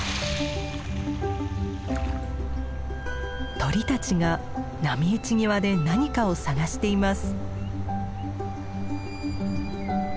鳥たちが波打ち際で何かを探しています。